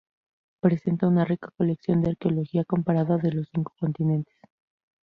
Presenta una rica colección de arqueología comparada de los cinco continentes.